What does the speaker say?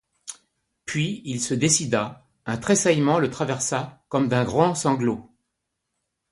Puis, il se décida, un tressaillement le traversa comme d'un grand sanglot.